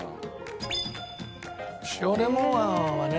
塩レモンあんはね